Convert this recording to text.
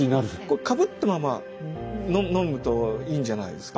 これかぶったまま飲むといいんじゃないですか。